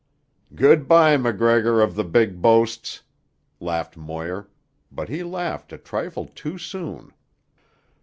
"Good by, MacGregor of the big boasts!" laughed Moir, but he laughed a trifle too soon.